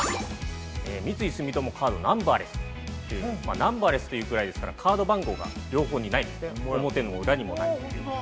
三井住友カードナンバーレス。という、ナンバーレスというぐらいですから、カード番号が両方にない、表にも裏にもない。